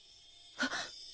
あっ！？